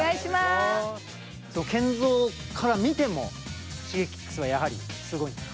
ＫＥＮＺＯから見てもＳｈｉｇｅｋｉｘはやはりすごいんですか？